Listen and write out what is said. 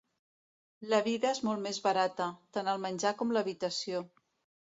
La vida és molt més barata, tant el menjar com l'habitació.